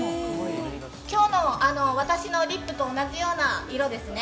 今日の私のリップと同じような色ですね。